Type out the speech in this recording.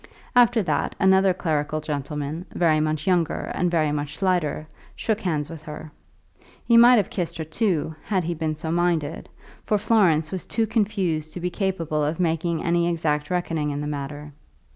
After that, another clerical gentleman, very much younger and very much slighter, shook hands with her. He might have kissed her, too, had he been so minded, for Florence was too confused to be capable of making any exact reckoning in the matter.